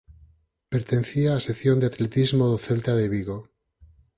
Pertencía á sección de atletismo do Celta de Vigo.